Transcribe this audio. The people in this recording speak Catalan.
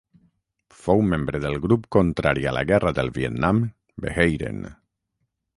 Fou membre del grup contrari a la guerra del Vietnam Beheiren.